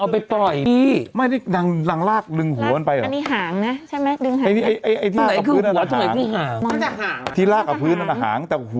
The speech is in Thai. ปุ๊บประสูจน์ซะละ